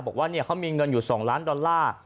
บอกว่าเขามีเงินอยู่๒ล้านดอลลาร์